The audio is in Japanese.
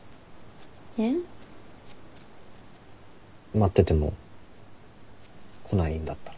待ってても来ないんだったら。